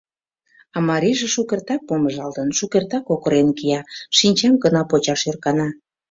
А марийже шукертак помыжалтын, шукертак кокырен кия, шинчам гына почаш ӧркана.